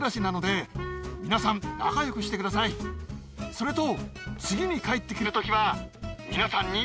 それと。